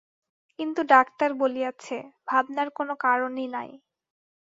কিন্তু ডাক্তার বলিয়াছে, ভাবনার কোনো কারণই নাই।